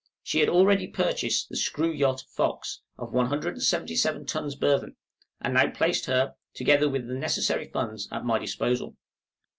She had already purchased the screw yacht 'Fox,' of 177 tons burthen, and now placed her, together with the necessary funds, at my disposal.